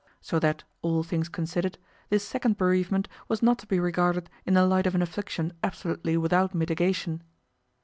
So that, all things considered, this second bereavement was not to be regarded in the light of an affliction absolutely without mitigation.